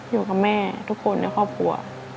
อยู่กับแม่ทุกคนในครอบครัว